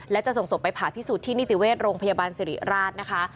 และจะส่งศพไปผ่าพิสูจน์ที่นิติเวชโรงพยาบาลสิริราชนะคะ